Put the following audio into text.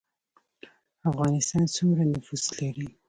افغانستان سومره نفوس لري